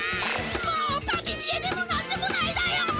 もうパティシエでもなんでもないだよ！